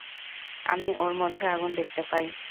আমি ওর মধ্যে আগুন দেখতে পাই।